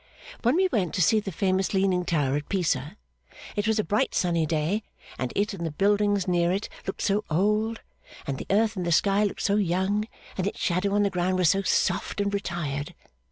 When we went to see the famous leaning tower at Pisa, it was a bright sunny day, and it and the buildings near it looked so old, and the earth and the sky looked so young, and its shadow on the ground was so soft and retired!